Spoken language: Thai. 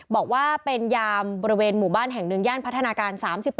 บอกว่าเป็นยามบริเวณหมู่บ้านแห่งหนึ่งย่านพัฒนาการ๓๖